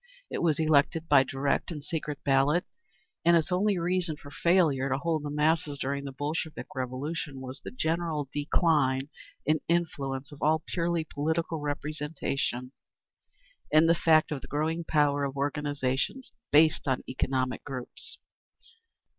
It was elected by direct and secret ballot, and its only reason for failure to hold the masses during the Bolshevik Revolution was the general decline in influence of all purely political representation in the fact of the growing power of organisations based on economic groups.